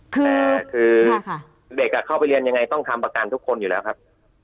แต่คือเด็กเข้าไปเรียนยังไงต้องทำประกันทุกคนอยู่แล้วครับ